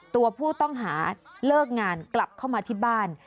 ตัวผู้ต้องหาเลิกงานกลับเข้ามาที่บ้าน